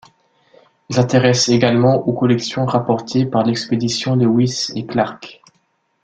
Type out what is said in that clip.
Il s'intéresse également aux collections rapportées par l'expédition Lewis et Clark.